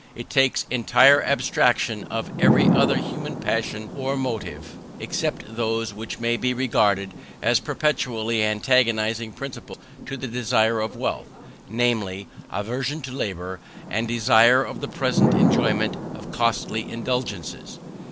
It makes entire abstraction of every other human passion or motive; except those which may be regarded as perpetually antagonizing principles to the desire of wealth, namely, aversion to labour, and desire of the present enjoyment of costly indulgences.